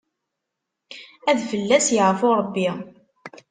Ad fell-as yeɛfu Ṛebbi.